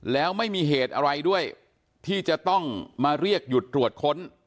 แล้วไม่มีเหตุอะไรด้วยที่จะต้องมาเรียกหยุดตรวจค้น